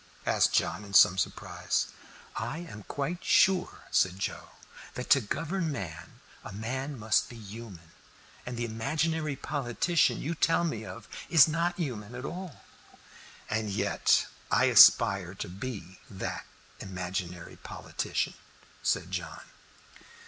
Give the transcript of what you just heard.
asked John, in some surprise. "I am quite sure," said Joe, "that to govern man a man must be human, and the imaginary politician you tell me of is not human at all." "And yet I aspire to be that imaginary politician," said John.